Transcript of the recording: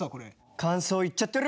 感想言っちゃってる！